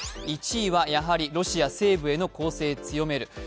１位は、やはりロシア西部への攻勢強める。